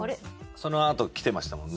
そのあと来てましたもんね。